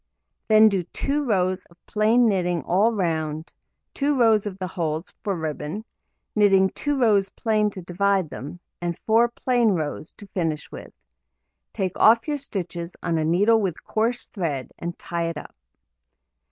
Then do 2 rows of plain knitting all round, 2 rows of the holes (for ribbon), knitting 2 rows plain to divide them, and 4 plain rows to finish with. Take off your stitches on a needle with coarse thread, and tie it up.